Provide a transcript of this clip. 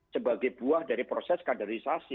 sebagai buah dari proses kaderisasi